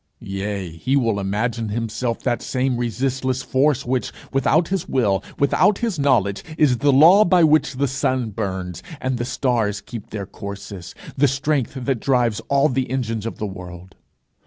Yea, he will imagine himself that same resistless force which, without his will, without his knowledge, is the law by which the sun burns, and the stars keep their courses, the strength that drives all the engines of the world.